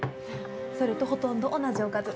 それとほとんど同じおかず。